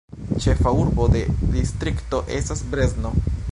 Ĉefa urbo de distrikto estas Brezno.